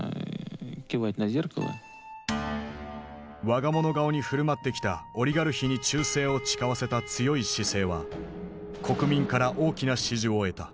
我が物顔に振る舞ってきたオリガルヒに忠誠を誓わせた強い姿勢は国民から大きな支持を得た。